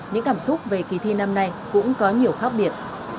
những cảm xúc về kỳ thi năm nay cũng có nhiều khác biệt